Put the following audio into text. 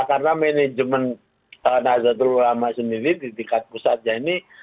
karena manajemen nusraulama sendiri di tingkat pusatnya ini